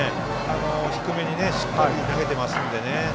低めにしっかり投げてますんでね。